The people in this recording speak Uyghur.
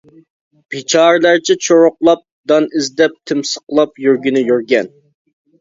بىچارىلەرچە چۇرۇقلاپ، دان ئىزدەپ تىمىسقىلاپ يۈرگىنى يۈرگەن.